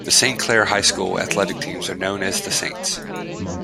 The Saint Clair High School athletic teams are known as the Saints.